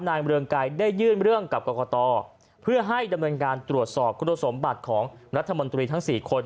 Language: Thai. เมืองไกรได้ยื่นเรื่องกับกรกตเพื่อให้ดำเนินการตรวจสอบคุณสมบัติของรัฐมนตรีทั้ง๔คน